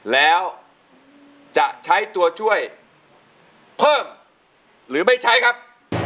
แล้วจะใช้ตัวช่วยเพิ่มหรือไม่ใช้ครับ